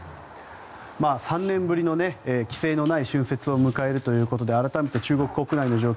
３年ぶりの規制のない春節を迎えるということで改めて中国国内の状況